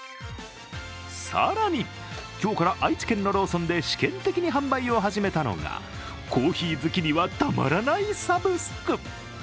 更に、今日から愛知県のローソンで試験的に販売を始めたのがコーヒー好きにはたまらないサブスク。